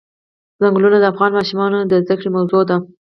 ځنګلونه د افغان ماشومانو د زده کړې موضوع ده.